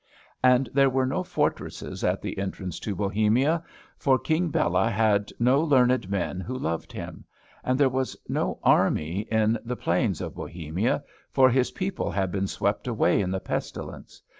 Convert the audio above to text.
And there were no fortresses at the entrance to Bohemia; for King Bela had no learned men who loved him. And there was no army in the plains of Bohemia; for his people had been swept away in the pestilence.